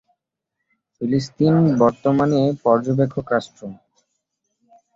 ফিলিস্তিন বর্তমানে পর্যবেক্ষক রাষ্ট্র।